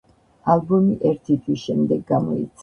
ალბომი ერთი თვის შემდეგ გამოიცა.